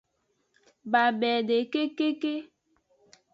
Babede kekeke.